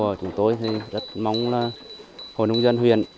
sẽ đạt được những mô hình của chúng tôi rất mong là hội nông dân huyện